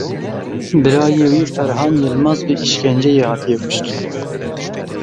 Birayê wî Ferhan Yilmaz bi îşkenceyê hatiye kuştin.